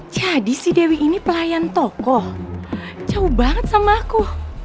jadisi dewi ini pelayan toko jauh banget sama aku